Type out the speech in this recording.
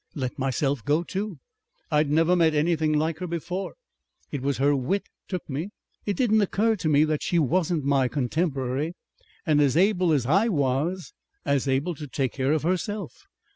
"Let myself go too. I'd never met anything like her before. It was her wit took me. It didn't occur to me that she wasn't my contemporary and as able as I was. As able to take care of herself.